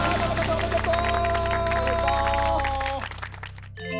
おめでとう！